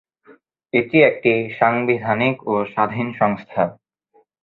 এটি একটি সাংবিধানিক ও স্বাধীন সংস্থা।